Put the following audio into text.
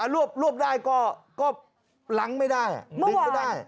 รวบได้ก็หลังไม่ได้ดิ้งก็ได้